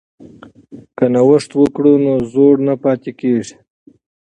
که نوښت وکړو نو زوړ نه پاتې کیږو.